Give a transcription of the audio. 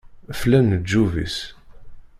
Flan leǧyub-is.